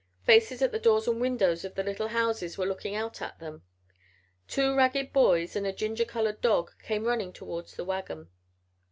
Faces at the doors and windows of the little houses were looking out at them. Two ragged boys and a ginger colored dog came running toward the wagon.